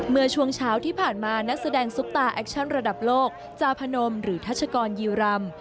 เมื่อช่วงเช้าที่ผ่านมานักแสดงซุปตาแอคชั่นระดับโลกจาพนมหรือทัชกรยีรำ